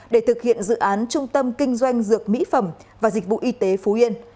để thực hiện dự án trung tâm kinh doanh dược mỹ phẩm và dịch vụ y tế phú yên